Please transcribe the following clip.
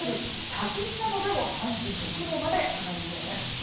多治見などでも３６度まで上がりそうです。